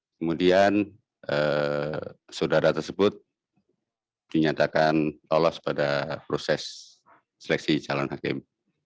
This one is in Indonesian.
kemudian saudara tersebut dinyatakan lolos pada proses seleksi calon hakim